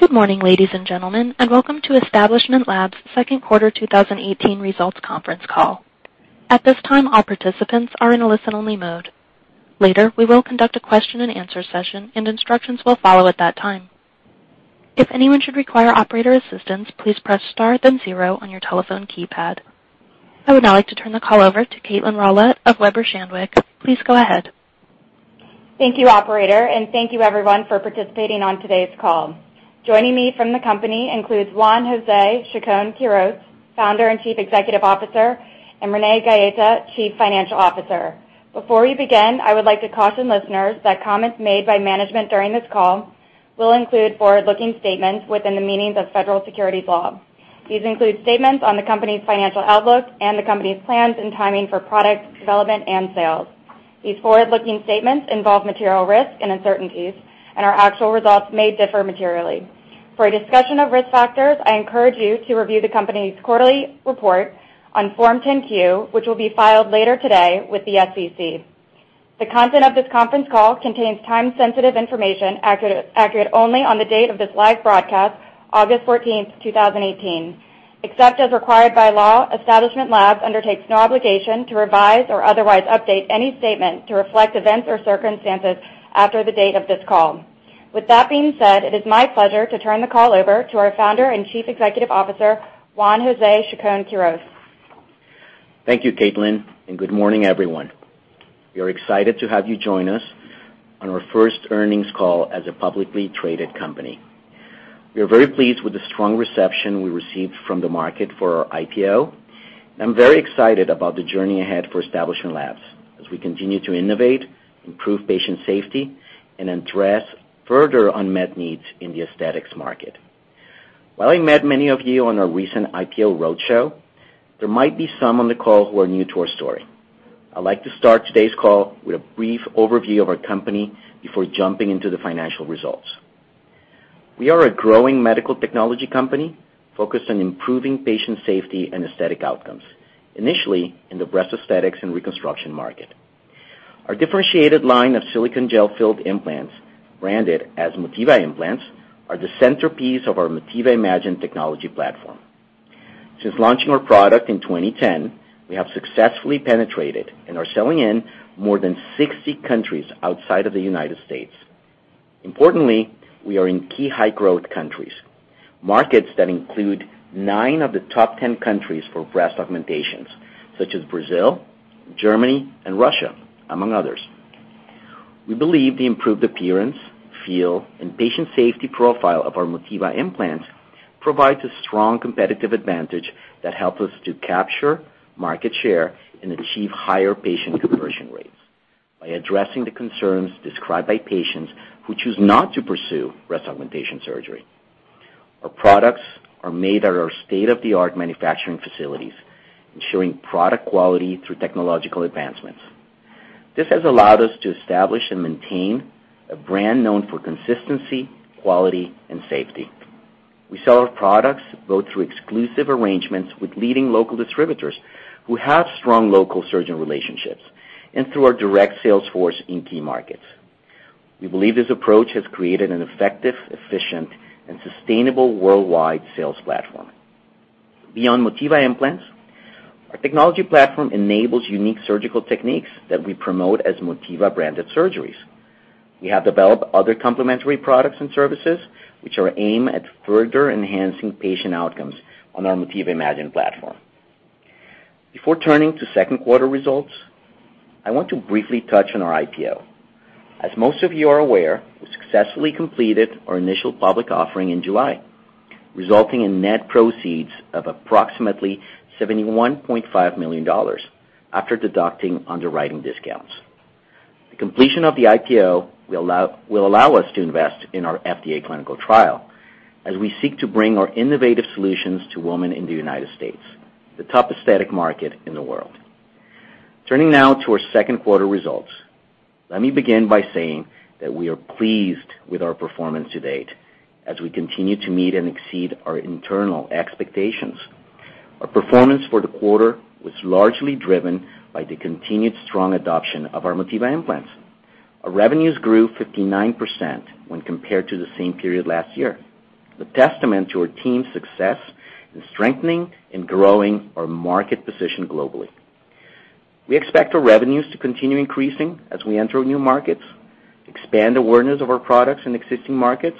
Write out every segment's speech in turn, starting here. Good morning, ladies and gentlemen, welcome to Establishment Labs' second quarter 2018 results conference call. At this time, all participants are in listen-only mode. Later, we will conduct a question and answer session, instructions will follow at that time. If anyone should require operator assistance, please press star then zero on your telephone keypad. I would now like to turn the call over to Caitlin DeGan of Weber Shandwick. Please go ahead. Thank you, operator, thank you, everyone, for participating on today's call. Joining me from the company includes Juan Jose Chacon-Quirós, Founder and Chief Executive Officer, Renee Gaeta, Chief Financial Officer. Before we begin, I would like to caution listeners that comments made by management during this call will include forward-looking statements within the meanings of federal securities law. These include statements on the company's financial outlook and the company's plans and timing for product development and sales. These forward-looking statements involve material risks and uncertainties, our actual results may differ materially. For a discussion of risk factors, I encourage you to review the company's quarterly report on Form 10-Q, which will be filed later today with the SEC. The content of this conference call contains time-sensitive information accurate only on the date of this live broadcast, August 14th, 2018. Except as required by law, Establishment Labs undertakes no obligation to revise or otherwise update any statement to reflect events or circumstances after the date of this call. With that being said, it is my pleasure to turn the call over to our Founder and Chief Executive Officer, Juan Jose Chacon-Quirós. Thank you, Caitlin, good morning, everyone. We are excited to have you join us on our first earnings call as a publicly traded company. We are very pleased with the strong reception we received from the market for our IPO. I'm very excited about the journey ahead for Establishment Labs as we continue to innovate, improve patient safety, and address further unmet needs in the aesthetics market. While I met many of you on our recent IPO roadshow, there might be some on the call who are new to our story. I'd like to start today's call with a brief overview of our company before jumping into the financial results. We are a growing medical technology company focused on improving patient safety and aesthetic outcomes, initially in the breast aesthetics and reconstruction market. Our differentiated line of silicone gel-filled implants, branded as Motiva implants, are the centerpiece of our MotivaImagine technology platform. Since launching our product in 2010, we have successfully penetrated and are selling in more than 60 countries outside of the United States. Importantly, we are in key high-growth countries, markets that include nine of the top 10 countries for breast augmentations, such as Brazil, Germany, and Russia, among others. We believe the improved appearance, feel, and patient safety profile of our Motiva implants provides a strong competitive advantage that help us to capture market share and achieve higher patient conversion rates by addressing the concerns described by patients who choose not to pursue breast augmentation surgery. Our products are made at our state-of-the-art manufacturing facilities, ensuring product quality through technological advancements. This has allowed us to establish and maintain a brand known for consistency, quality, and safety. We sell our products both through exclusive arrangements with leading local distributors who have strong local surgeon relationships and through our direct sales force in key markets. We believe this approach has created an effective, efficient, and sustainable worldwide sales platform. Beyond Motiva implants, our technology platform enables unique surgical techniques that we promote as Motiva-branded surgeries. We have developed other complementary products and services, which are aimed at further enhancing patient outcomes on our MotivaImagine platform. Before turning to second quarter results, I want to briefly touch on our IPO. As most of you are aware, we successfully completed our initial public offering in July, resulting in net proceeds of approximately $71.5 million after deducting underwriting discounts. The completion of the IPO will allow us to invest in our FDA clinical trial as we seek to bring our innovative solutions to women in the United States, the top aesthetic market in the world. Turning now to our second quarter results. Let me begin by saying that we are pleased with our performance to date as we continue to meet and exceed our internal expectations. Our performance for the quarter was largely driven by the continued strong adoption of our Motiva implants. Our revenues grew 59% when compared to the same period last year. The testament to our team's success in strengthening and growing our market position globally. We expect our revenues to continue increasing as we enter new markets, expand awareness of our products in existing markets,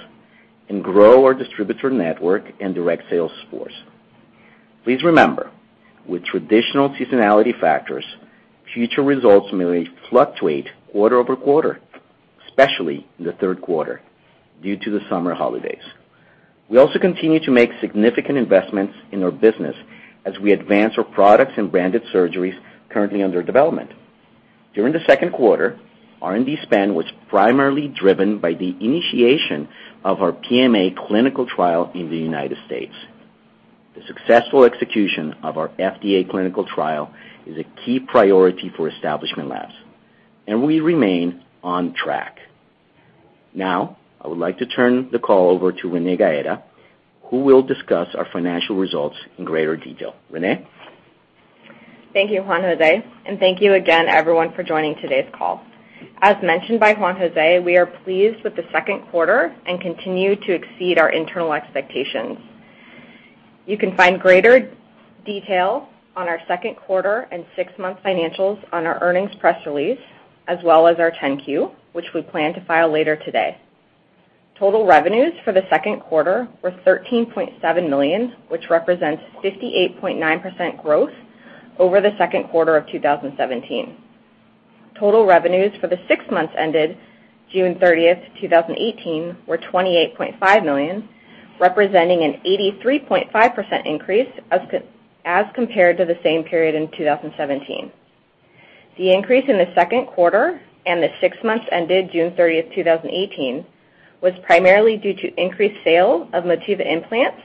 and grow our distributor network and direct sales force. Please remember, with traditional seasonality factors, future results may fluctuate quarter over quarter, especially in the third quarter due to the summer holidays. We also continue to make significant investments in our business as we advance our products and branded surgeries currently under development. During the second quarter, R&D spend was primarily driven by the initiation of our PMA clinical trial in the United States. The successful execution of our FDA clinical trial is a key priority for Establishment Labs, and we remain on track. Now, I would like to turn the call over to Renee Gaeta, who will discuss our financial results in greater detail. Renee? Thank you, Juan José, and thank you again everyone for joining today's call. As mentioned by Juan José, we are pleased with the second quarter and continue to exceed our internal expectations. You can find greater detail on our second quarter and six-month financials on our earnings press release, as well as our 10-Q, which we plan to file later today. Total revenues for the second quarter were $13.7 million, which represents 58.9% growth over the second quarter of 2017. Total revenues for the six months ended June 30th, 2018 were $28.5 million, representing an 83.5% increase as compared to the same period in 2017. The increase in the second quarter and the six months ended June 30th, 2018, was primarily due to increased sale of Motiva Implants,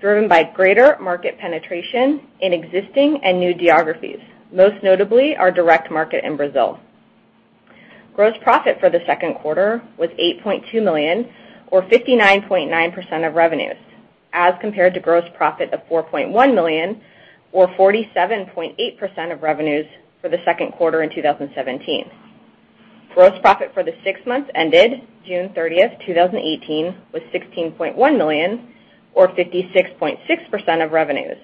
driven by greater market penetration in existing and new geographies, most notably our direct market in Brazil. Gross profit for the second quarter was $8.2 million or 59.9% of revenues as compared to gross profit of $4.1 million or 47.8% of revenues for the second quarter in 2017. Gross profit for the six months ended June 30th, 2018 was $16.1 million or 56.6% of revenues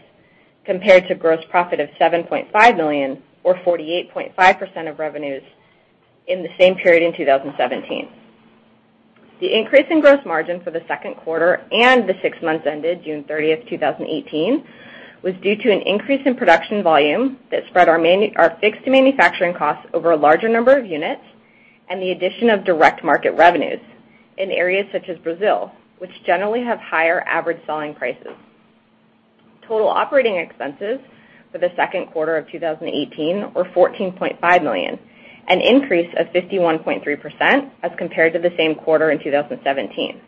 compared to gross profit of $7.5 million or 48.5% of revenues in the same period in 2017. The increase in gross margin for the second quarter and the six months ended June 30th, 2018, was due to an increase in production volume that spread our fixed manufacturing costs over a larger number of units and the addition of direct market revenues in areas such as Brazil, which generally have higher average selling prices. Total operating expenses for the second quarter of 2018 were $14.5 million, an increase of 51.3% as compared to the same quarter in 2017.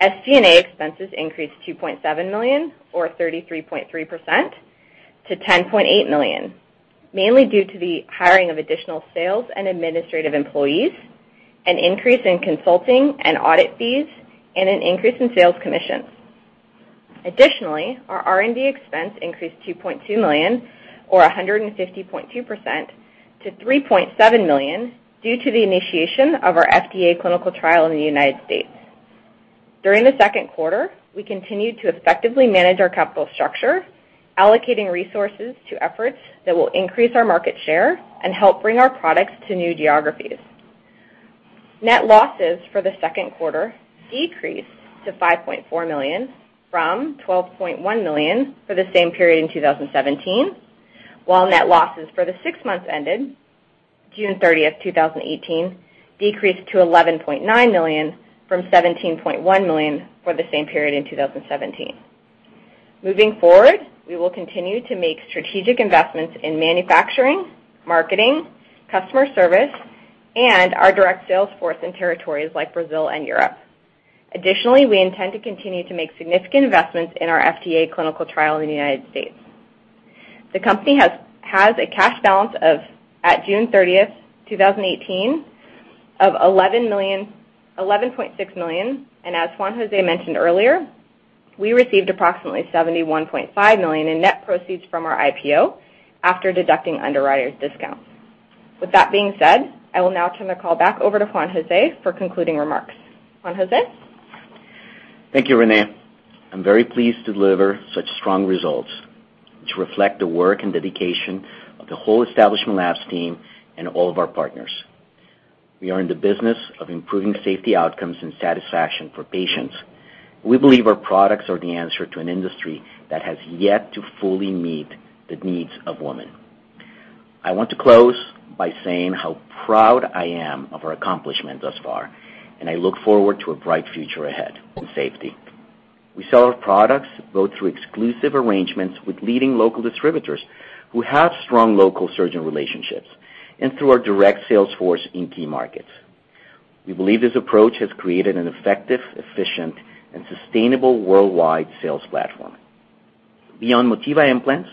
SG&A expenses increased $2.7 million or 33.3% to $10.8 million, mainly due to the hiring of additional sales and administrative employees, an increase in consulting and audit fees, and an increase in sales commissions. Additionally, our R&D expense increased $2.2 million or 150.2% to $3.7 million due to the initiation of our FDA clinical trial in the United States. During the second quarter, we continued to effectively manage our capital structure, allocating resources to efforts that will increase our market share and help bring our products to new geographies. Net losses for the second quarter decreased to $5.4 million from $12.1 million for the same period in 2017, while net losses for the six months ended June 30th, 2018, decreased to $11.9 million from $17.1 million for the same period in 2017. Moving forward, we will continue to make strategic investments in manufacturing, marketing, customer service, and our direct sales force in territories like Brazil and Europe. Additionally, we intend to continue to make significant investments in our FDA clinical trial in the United States. The company has a cash balance at June 30th, 2018, of $11.6 million, and as Juan José mentioned earlier, we received approximately $71.5 million in net proceeds from our IPO after deducting underwriters' discounts. With that being said, I will now turn the call back over to Juan José for concluding remarks. Juan José? Thank you, Renee. I'm very pleased to deliver such strong results, which reflect the work and dedication of the whole Establishment Labs team and all of our partners. We are in the business of improving safety outcomes and satisfaction for patients. We believe our products are the answer to an industry that has yet to fully meet the needs of women. I want to close by saying how proud I am of our accomplishments thus far, and I look forward to a bright future ahead in safety. We sell our products both through exclusive arrangements with leading local distributors who have strong local surgeon relationships and through our direct sales force in key markets. We believe this approach has created an effective, efficient, and sustainable worldwide sales platform. Beyond Motiva Implants,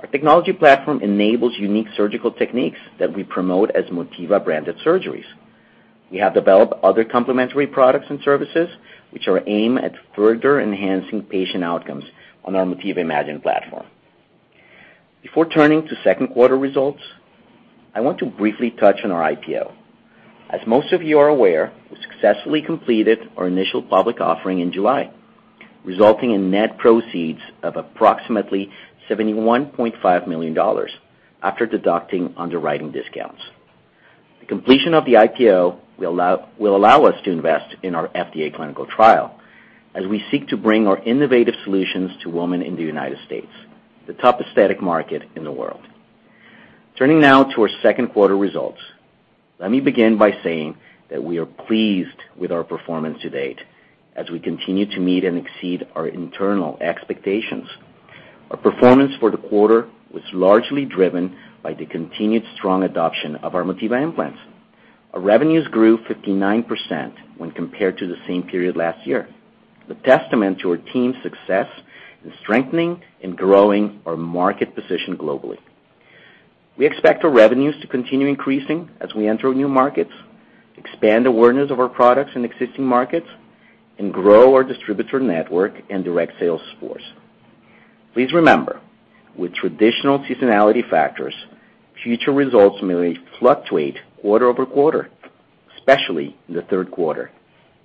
our technology platform enables unique surgical techniques that we promote as Motiva-branded surgeries. We have developed other complementary products and services which are aimed at further enhancing patient outcomes on our MotivaImagine platform. Before turning to second quarter results, I want to briefly touch on our IPO. As most of you are aware, we successfully completed our initial public offering in July, resulting in net proceeds of approximately $71.5 million after deducting underwriting discounts. The completion of the IPO will allow us to invest in our FDA clinical trial as we seek to bring our innovative solutions to women in the U.S., the top aesthetic market in the world. Turning now to our second quarter results. Let me begin by saying that we are pleased with our performance to date as we continue to meet and exceed our internal expectations. Our performance for the quarter was largely driven by the continued strong adoption of our Motiva Implants. Our revenues grew 59% when compared to the same period last year, a testament to our team's success in strengthening and growing our market position globally. We expect our revenues to continue increasing as we enter new markets, expand awareness of our products in existing markets, and grow our distributor network and direct sales force. Please remember, with traditional seasonality factors, future results may fluctuate quarter-over-quarter, especially in the third quarter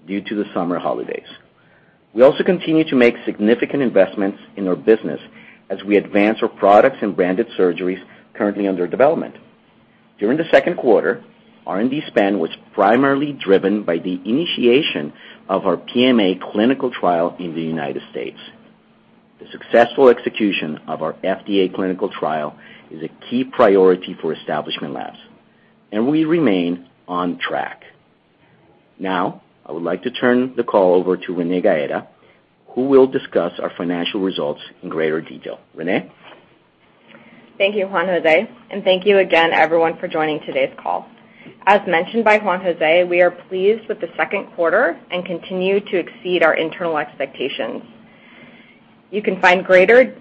due to the summer holidays. We also continue to make significant investments in our business as we advance our products and branded surgeries currently under development. During the second quarter, R&D spend was primarily driven by the initiation of our PMA clinical trial in the U.S. The successful execution of our FDA clinical trial is a key priority for Establishment Labs, and we remain on track. I would like to turn the call over to Renee Gaeta, who will discuss our financial results in greater detail. Renee? Thank you, Juan José, and thank you again everyone for joining today's call. As mentioned by Juan José, we are pleased with the second quarter and continue to exceed our internal expectations. You can find greater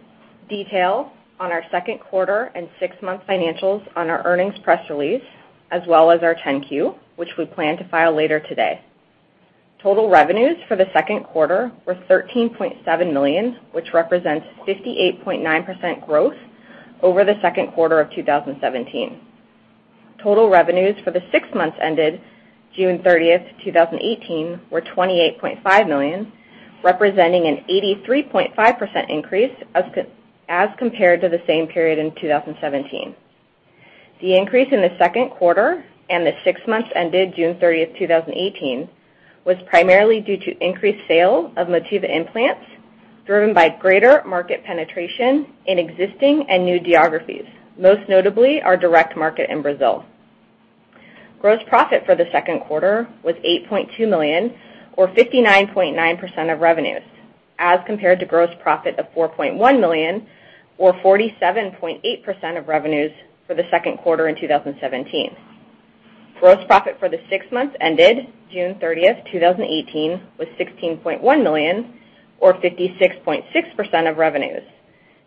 detail on our second quarter and six-month financials on our earnings press release, as well as our 10-Q, which we plan to file later today. Total revenues for the second quarter were $13.7 million, which represents 58.9% growth over the second quarter of 2017. Total revenues for the six months ended June 30, 2018, were $28.5 million, representing an 83.5% increase as compared to the same period in 2017. The increase in the second quarter and the six months ended June 30, 2018, was primarily due to increased sale of Motiva Implants, driven by greater market penetration in existing and new geographies, most notably our direct market in Brazil. Gross profit for the second quarter was $8.2 million, or 59.9% of revenues, as compared to gross profit of $4.1 million, or 47.8% of revenues for the second quarter in 2017. Gross profit for the six months ended June 30, 2018, was $16.1 million, or 56.6% of revenues,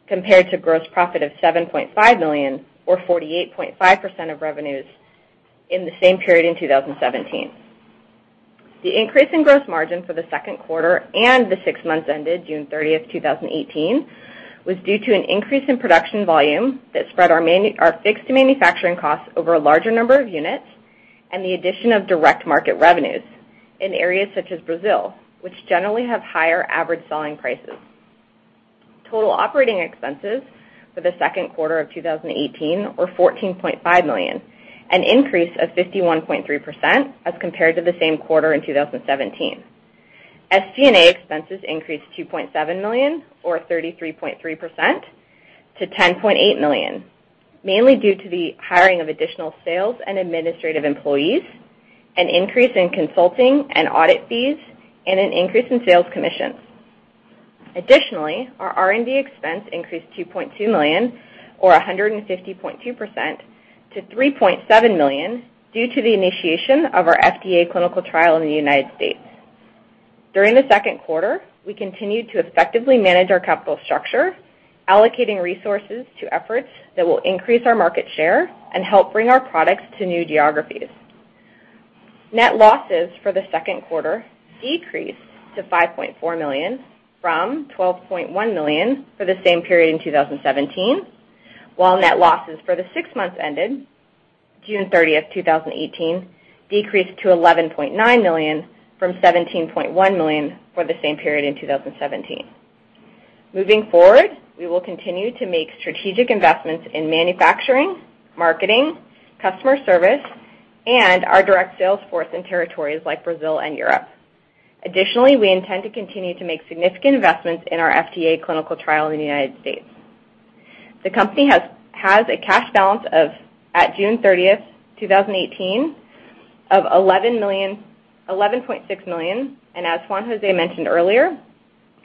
compared to gross profit of $7.5 million, or 48.5% of revenues in the same period in 2017. The increase in gross margin for the second quarter and the six months ended June 30, 2018, was due to an increase in production volume that spread our fixed manufacturing costs over a larger number of units and the addition of direct market revenues in areas such as Brazil, which generally have higher average selling prices. Total operating expenses for the second quarter of 2018 were $14.5 million, an increase of 51.3% as compared to the same quarter in 2017. SG&A expenses increased $2.7 million, or 33.3%, to $10.8 million, mainly due to the hiring of additional sales and administrative employees, an increase in consulting and audit fees, and an increase in sales commissions. Additionally, our R&D expense increased $2.2 million, or 150.2%, to $3.7 million due to the initiation of our FDA clinical trial in the U.S. During the second quarter, we continued to effectively manage our capital structure, allocating resources to efforts that will increase our market share and help bring our products to new geographies. Net losses for the second quarter decreased to $5.4 million from $12.1 million for the same period in 2017, while net losses for the six months ended June 30, 2018, decreased to $11.9 million from $17.1 million for the same period in 2017. Moving forward, we will continue to make strategic investments in manufacturing, marketing, customer service, and our direct sales force in territories like Brazil and Europe. Additionally, we intend to continue to make significant investments in our FDA clinical trial in the U.S. The company has a cash balance at June 30, 2018, of $11.6 million, and as Juan José mentioned earlier,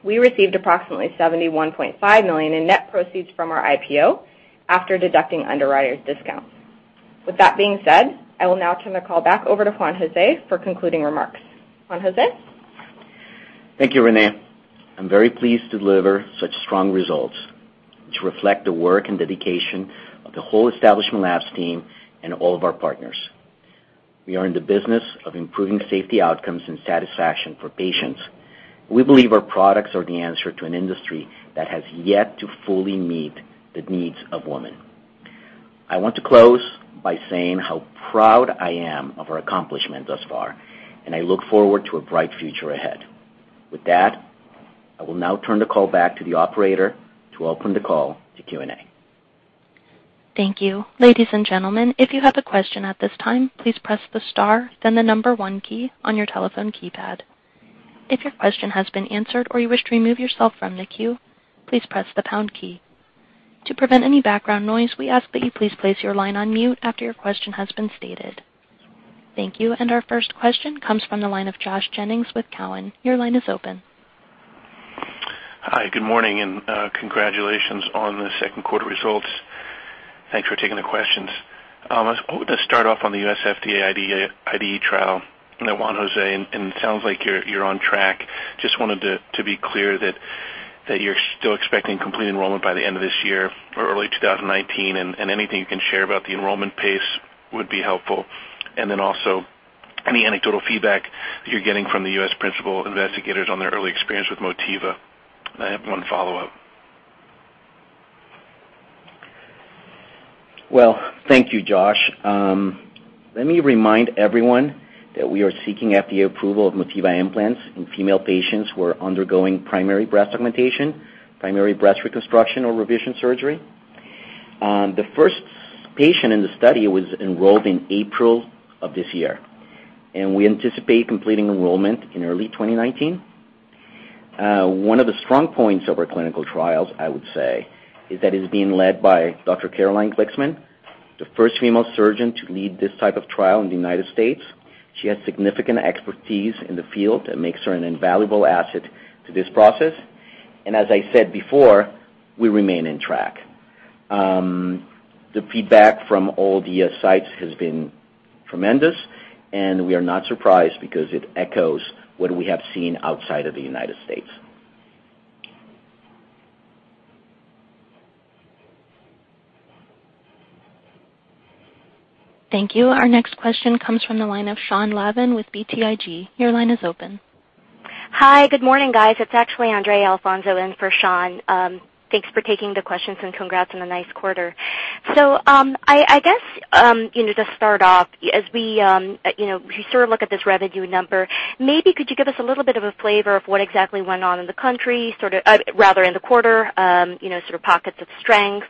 we received approximately $71.5 million in net proceeds from our IPO after deducting underwriters' discounts. With that being said, I will now turn the call back over to Juan José for concluding remarks. Juan José? Thank you, Renee. I'm very pleased to deliver such strong results, which reflect the work and dedication of the whole Establishment Labs team and all of our partners. We are in the business of improving safety outcomes and satisfaction for patients. We believe our products are the answer to an industry that has yet to fully meet the needs of women. I want to close by saying how proud I am of our accomplishment thus far, and I look forward to a bright future ahead. With that, I will now turn the call back to the operator to open the call to Q&A. Thank you. Ladies and gentlemen, if you have a question at this time, please press the star then the number one key on your telephone keypad. If your question has been answered or you wish to remove yourself from the queue, please press the pound key. To prevent any background noise, we ask that you please place your line on mute after your question has been stated. Thank you. Our first question comes from the line of Josh Jennings with Cowen. Your line is open. Hi, good morning, and congratulations on the second quarter results. Thanks for taking the question. I was going to start off on the U.S. FDA IDE trial, Juan José. It sounds like you're on track. Just wanted to be clear that you're still expecting complete enrollment by the end of this year or early 2019. Anything you can share about the enrollment pace would be helpful. Then also, any anecdotal feedback that you're getting from the U.S. principal investigators on their early experience with Motiva. I have one follow-up. Well, thank you, Josh. Let me remind everyone that we are seeking FDA approval of Motiva Implants in female patients who are undergoing primary breast augmentation, primary breast reconstruction, or revision surgery. The first patient in the study was enrolled in April of this year. We anticipate completing enrollment in early 2019. One of the strong points of our clinical trials, I would say, is that it's being led by Dr. Caroline Glicksman, the first female surgeon to lead this type of trial in the United States. She has significant expertise in the field that makes her an invaluable asset to this process. As I said before, we remain on track. The feedback from all the sites has been tremendous. We are not surprised because it echoes what we have seen outside of the United States. Thank you. Our next question comes from the line of Sean Lavin with BTIG. Your line is open. Hi. Good morning, guys. It's actually Andrea Alfonso in for Sean. Thanks for taking the questions and congrats on a nice quarter. I guess, to start off, as we sort of look at this revenue number, maybe could you give us a little bit of a flavor of what exactly went on in the country, rather in the quarter, sort of pockets of strength.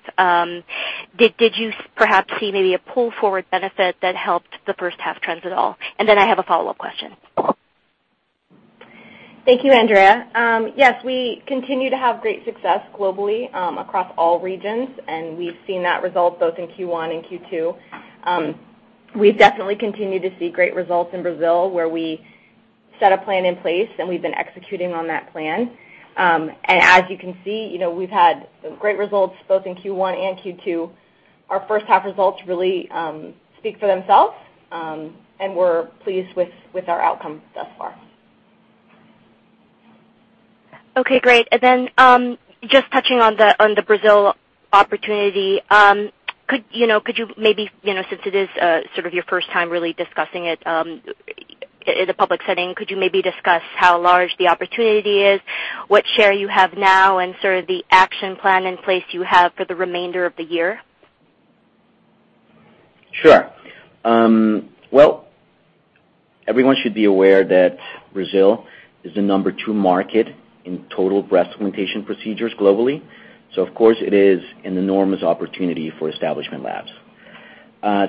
Did you perhaps see maybe a pull-forward benefit that helped the first half trends at all? I have a follow-up question. Thank you, Andrea. Yes, we continue to have great success globally across all regions, and we've seen that result both in Q1 and Q2. We definitely continue to see great results in Brazil, where we set a plan in place, and we've been executing on that plan. As you can see, we've had great results both in Q1 and Q2. Our first half results really speak for themselves, and we're pleased with our outcome thus far. Okay, great. Just touching on the Brazil opportunity, since it is sort of your first time really discussing it in a public setting, could you maybe discuss how large the opportunity is, what share you have now, and sort of the action plan in place you have for the remainder of the year? Well, everyone should be aware that Brazil is the number two market in total breast augmentation procedures globally, of course it is an enormous opportunity for Establishment Labs.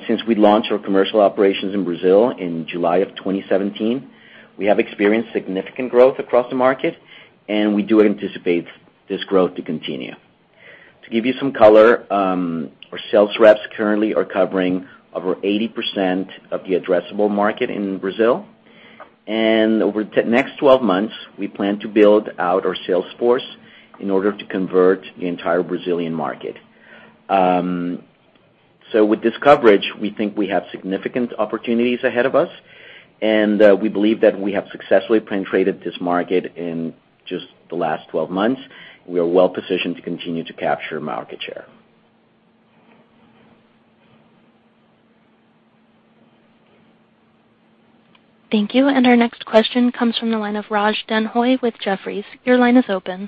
Since we launched our commercial operations in Brazil in July of 2017, we have experienced significant growth across the market, and we do anticipate this growth to continue. To give you some color, our sales reps currently are covering over 80% of the addressable market in Brazil. Over the next 12 months, we plan to build out our sales force in order to convert the entire Brazilian market. With this coverage, we think we have significant opportunities ahead of us, and we believe that we have successfully penetrated this market in just the last 12 months. We are well-positioned to continue to capture market share. Thank you. Our next question comes from the line of Raj Denhoy with Jefferies. Your line is open.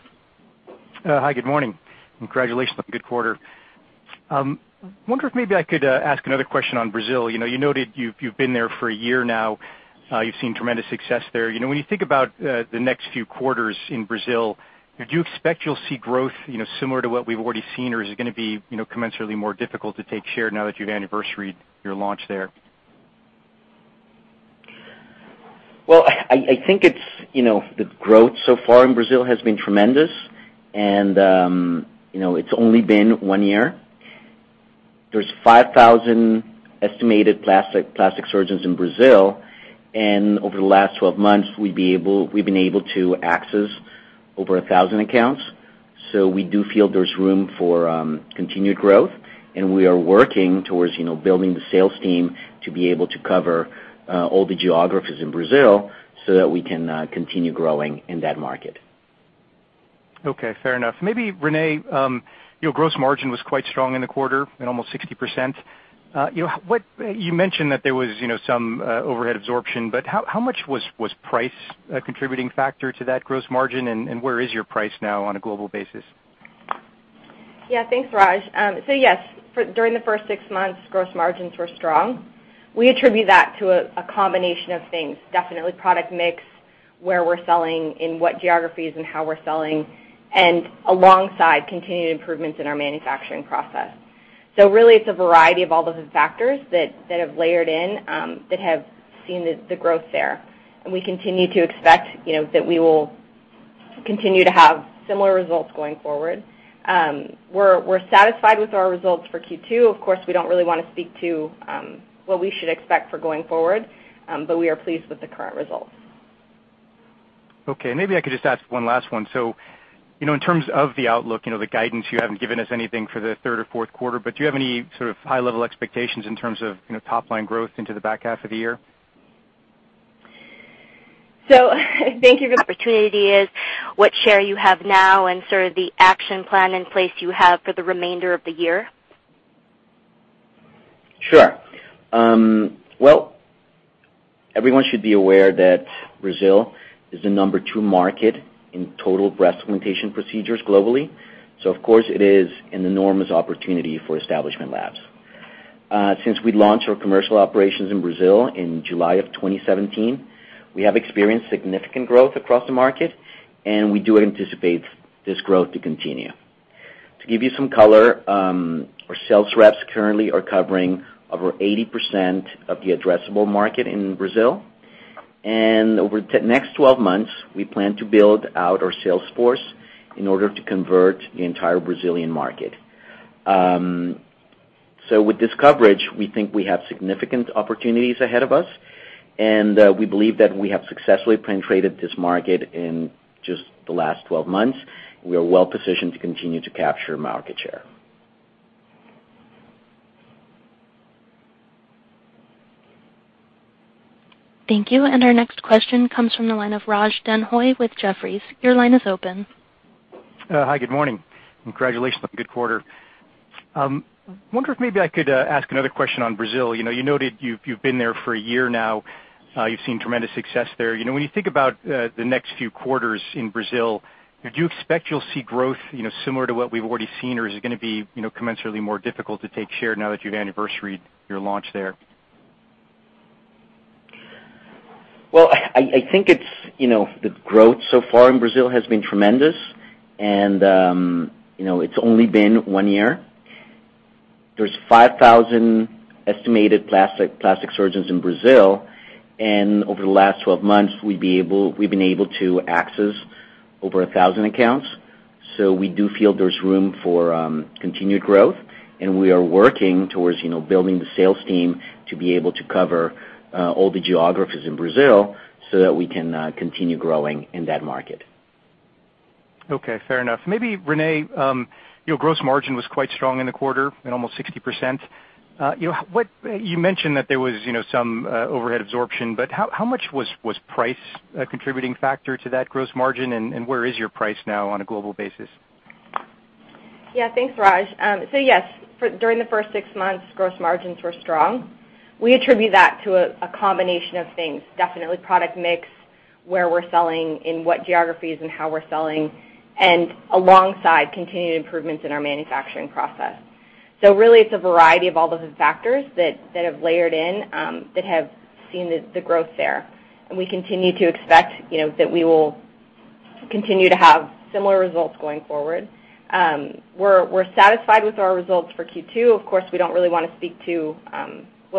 Hi, good morning. Congratulations on a good quarter. I wonder if maybe I could ask another question on Brazil. You noted you've been there for a year now. You've seen tremendous success there. When you think about the next few quarters in Brazil, do you expect you'll see growth similar to what we've already seen, or is it going to be commensurately more difficult to take share now that you've anniversaried your launch there? Well, I think the growth so far in Brazil has been tremendous, and it's only been one year. There's 5,000 estimated plastic surgeons in Brazil, and over the last 12 months, we've been able to access over 1,000 accounts. We do feel there's room for continued growth, and we are working towards building the sales team to be able to cover all the geographies in Brazil so that we can continue growing in that market. Okay, fair enough. Maybe Renee, your gross margin was quite strong in the quarter at almost 60%. You mentioned that there was some overhead absorption, how much was price a contributing factor to that gross margin, and where is your price now on a global basis? Yeah, thanks, Raj. Yes, during the first six months, gross margins were strong. We attribute that to a combination of things. Definitely product mix, where we're selling, in what geographies and how we're selling, and alongside continued improvements in our manufacturing process. Really, it's a variety of all those factors that have layered in that have seen the growth there. We continue to expect that we will continue to have similar results going forward. We're satisfied with our results for Q2. Of course, we don't really want to speak to what we should expect for going forward,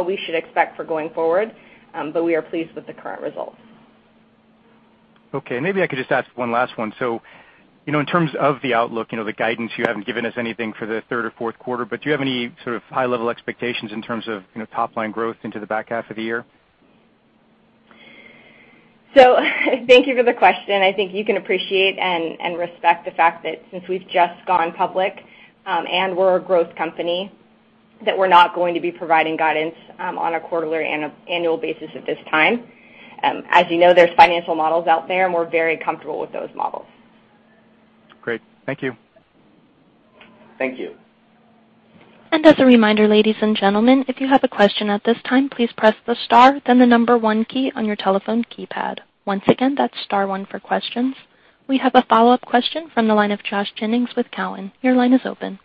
we are pleased with the current results. Okay, maybe I could just ask one last one. In terms of the outlook, the guidance, you haven't given us anything for the third or fourth quarter, do you have any sort of high-level expectations in terms of top-line growth into the back half of the year? Thank you for the question. I think you can appreciate and respect the fact that since we've just gone public and we're a growth company, that we're not going to be providing guidance on a quarterly or annual basis at this time. As you know, there's financial models out there, and we're very comfortable with those models. Great. Thank you. Thank you. As a reminder, ladies and gentlemen, if you have a question at this time, please press the star then the number one key on your telephone keypad. Once again, that's star one for questions. We have a follow-up question from the line of Josh Jennings with Cowen. Your line is open.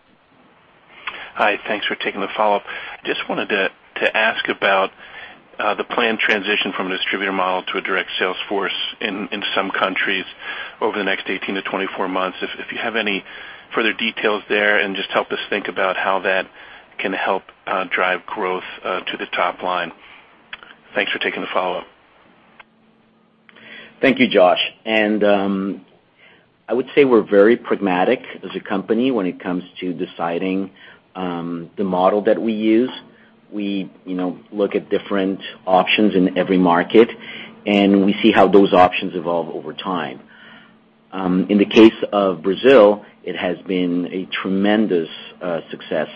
Hi, thanks for taking the follow-up. Just wanted to ask about the planned transition from a distributor model to a direct sales force in some countries over the next 18 to 24 months. If you have any further details there and just help us think about how that can help drive growth to the top line. Thanks for taking the follow-up. Thank you, Josh. I would say we're very pragmatic as a company when it comes to deciding the model that we use. We look at different options in every market, and we see how those options evolve over time. In the case of Brazil, it has been a tremendous success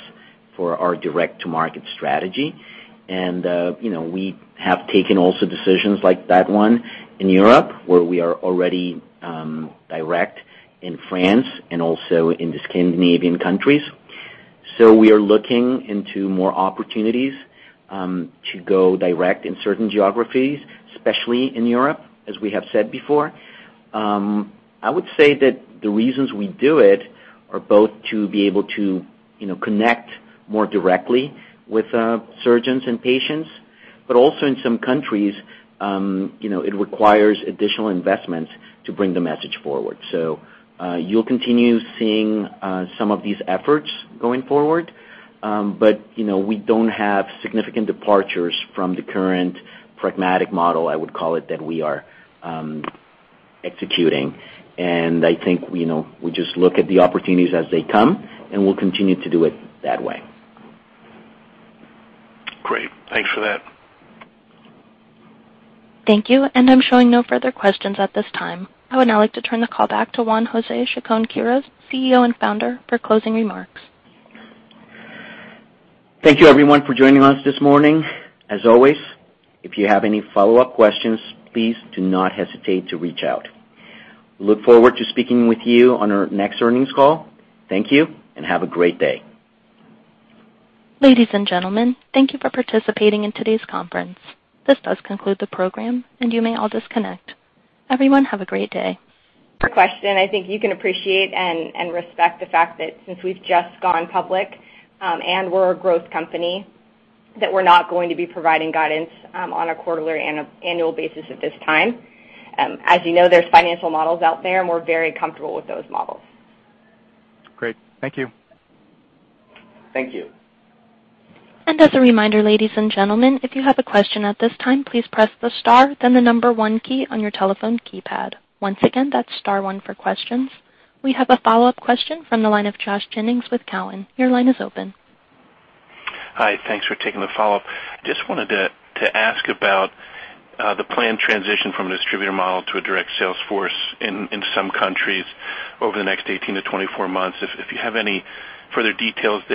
for our direct-to-market strategy. We have taken also decisions like that one in Europe, where we are already direct in France and also in the Scandinavian countries. We are looking into more opportunities to go direct in certain geographies, especially in Europe, as we have said before. I would say that the reasons we do it are both to be able to connect more directly with surgeons and patients, but also in some countries it requires additional investments to bring the message forward. You'll continue seeing some of these efforts going forward, but we don't have significant departures from the current pragmatic model, I would call it, that we are executing. I think we just look at the opportunities as they come, and we'll continue to do it that way. Thanks for that. Thank you. I'm showing no further questions at this time. I would now like to turn the call back to Juan José Chacón-Quirós, CEO and founder, for closing remarks. Thank you everyone for joining us this morning. As always, if you have any follow-up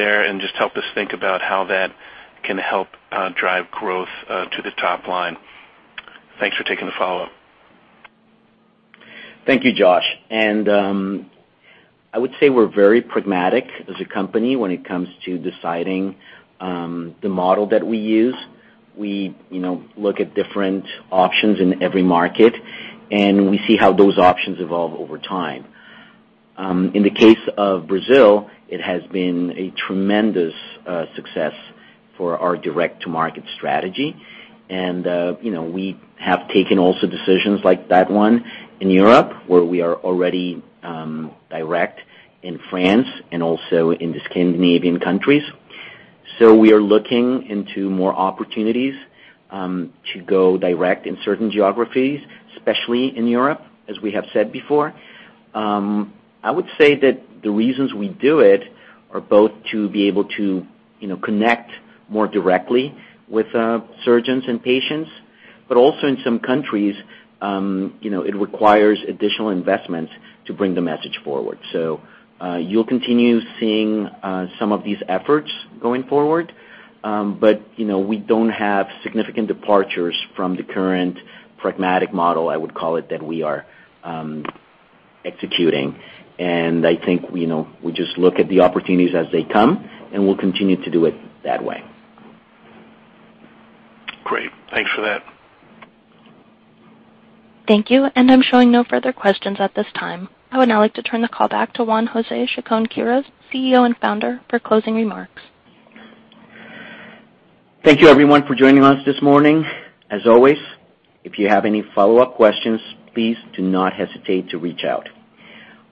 questions, please do not hesitate to reach out.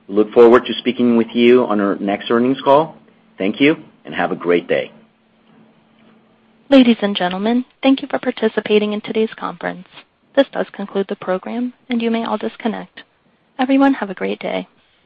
Look forward to speaking with you on our next earnings call. Thank you, and have a great day. Ladies and gentlemen, thank you for participating in today's conference. This does conclude the program. You may all disconnect. Everyone, have a great day.